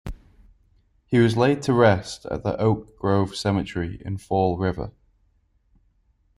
He was laid to rest at the Oak Grove Cemetery in Fall River.